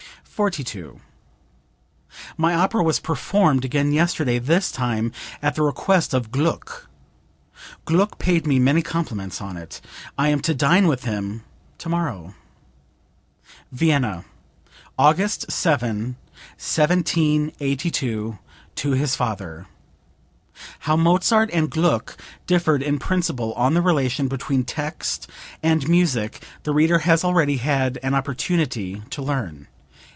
42. "My opera was performed again yesterday, this time at the request of Gluck. Gluck paid me many compliments on it. I am to dine with him tomorrow." (Vienna, August 7, 1782, to his father. [How Mozart and Gluck differed in principle on the relation between text and music the reader has already had an opportunity to learn.